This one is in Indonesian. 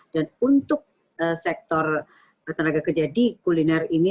dan untuk sektor tenaga kerja di kuliner ini